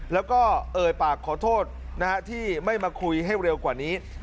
แล้วก็เอ่ยปากขอโทษที่ไม่มาคุยให้เร็วกว่านี้